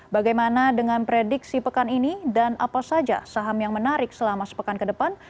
bagaimana dengan prediksi pekan ini dan apa saja saham yang menarik selama sepekan ke depan